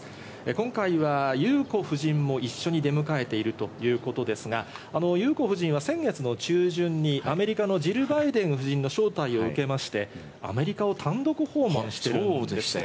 今回は裕子夫人も一緒に出迎えているということですが、裕子夫人は先月の中旬にアメリカのジル・バイデン夫人の招待を受けまして、アメリカを単独訪問している。